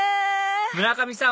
村上さん